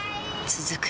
続く